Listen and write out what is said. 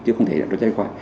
chứ không thể là đối với khoa